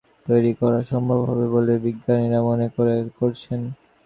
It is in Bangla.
খুব অল্পদিনের মধ্যেই ভ্যাকসিনটি তৈরি করা সম্ভব হবে বলে বিজ্ঞানীরা মনে করছেন।